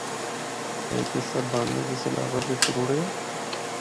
ہک حصہ بانوے دے سیلابا بچ رُڑیِّا۔